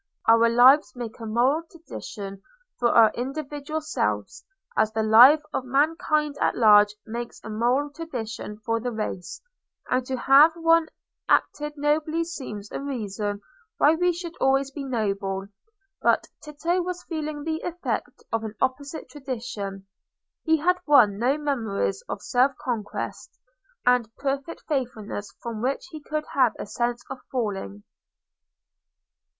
Our lives make a moral tradition for our individual selves, as the life of mankind at large makes a moral tradition for the race; and to have once acted nobly seems a reason why we should always be noble. But Tito was feeling the effect of an opposite tradition: he had won no memories of self conquest and perfect faithfulness from which he could have a sense of falling.